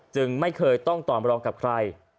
จึงไม่เคยต้องตอบกับใคร